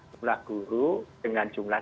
jumlah guru dengan jumlah